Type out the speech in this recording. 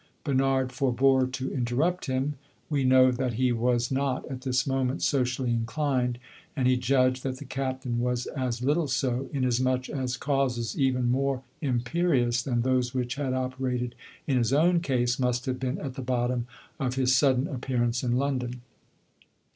Bernard forebore to interrupt him; we know that he was not at this moment socially inclined, and he judged that the Captain was as little so, inasmuch as causes even more imperious than those which had operated in his own case must have been at the bottom of his sudden appearance in London.